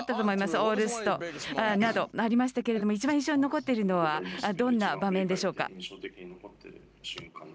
オールスターなど、ありましたがいちばん印象に残っているのはどんな場面でしょうか。